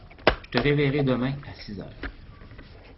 Je te réveillerai demain à six heures.